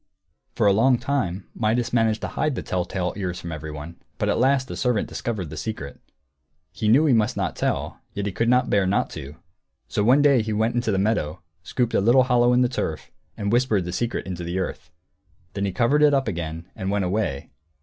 For a long time Midas managed to hide the tell tale ears from everyone; but at last a servant discovered the secret. He knew he must not tell, yet he could not bear not to; so one day he went into the meadow, scooped a little hollow in the turf, and whispered the secret into the earth. Then he covered it up again, and went away.